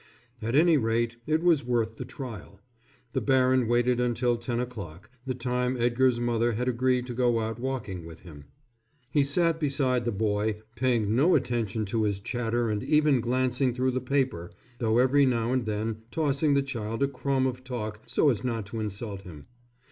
At any rate it was worth the trial. The baron waited until ten o'clock, the time Edgar's mother had agreed to go out walking with him. He sat beside the boy, paying no attention to his chatter and even glancing through the paper, though every now and then tossing the child a crumb of talk so as not to insult him.